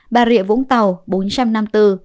bà rịa vũng tàu bốn trăm năm mươi bốn